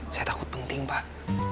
saya takut penting pak